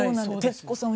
徹子さん